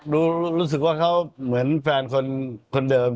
รู้สึกว่าเขาเหมือนแฟนคนเดิม